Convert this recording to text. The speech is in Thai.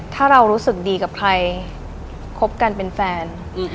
ถ้าเรารู้สึกดีกับใครคบกันเป็นแฟน